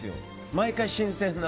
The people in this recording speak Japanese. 毎回、新鮮な。